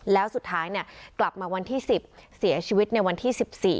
แล้วสุดท้ายกลับมาวันที่๑๐เสียชีวิตในวันที่๑๔